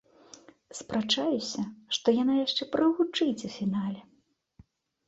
Спрачаюся, што яна яшчэ прагучыць у фінале.